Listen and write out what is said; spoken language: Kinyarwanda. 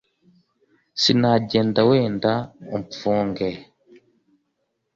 Sinagenda wenda umfunge,